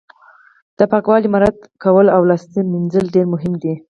د پاکوالي مراعت کول او لاس مینځل ډیر مهم دي